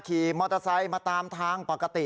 ขี่มอเตอร์ไซค์มาตามทางปกติ